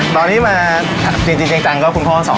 ตอนนี้มาจริงจัย้งจังคือคุณพ่อสอน